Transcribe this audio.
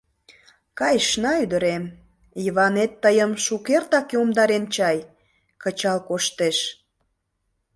Кайышна, ӱдырем, Йыванет тыйым шукертак йомдарен чай, кычал коштеш.